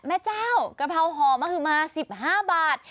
แม่เจ้ากระเพราหอมมา๑๕บาท